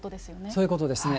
そういうことですね。